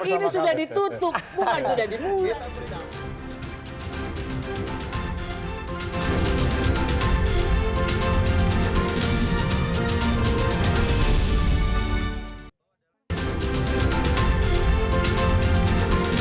ini sudah ditutup bukan sudah dimulai